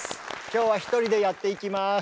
今日は１人でやっていきます。